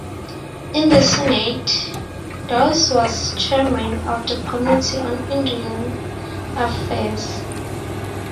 In the Senate, Dawes was chairman of the Committee on Indian Affairs.